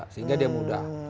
sehingga dia mudah